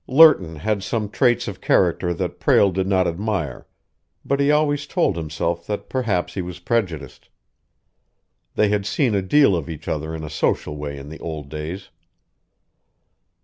Lerton had some traits of character that Prale did not admire, but he always told himself that perhaps he was prejudiced. They had seen a deal of each other in a social way in the old days.